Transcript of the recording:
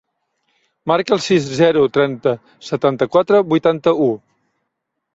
Marca el sis, zero, trenta, setanta-quatre, vuitanta-u.